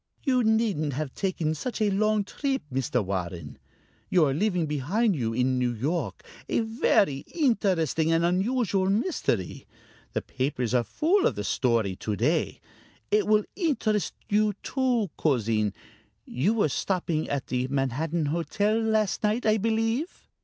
"You needn't have taken such a long trip, Mr. Warren. You are leaving behind you, in New York, a very interesting and unusual mystery. The papers are full of the story to day.... It will interest you too, cousin. You were stopping at the Manhattan Hotel last night, I believe?"